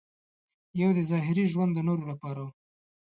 یو دې ظاهري ژوند د نورو لپاره و.